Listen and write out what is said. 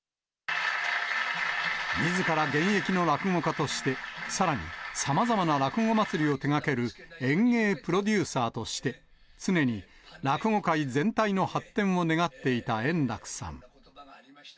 みずから現役の落語家として、さらに、さまざまな落語まつりを手がける演芸プロデューサーとして、常に落語界全体の発展を願っていた円楽さん。